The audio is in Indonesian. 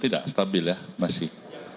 tidak stabil ya masih